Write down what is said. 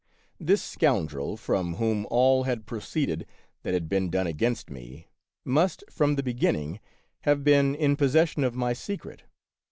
This scoundrel, from whom all had proceeded that had been done against me, must, from the beginning, have been in possession of my secret.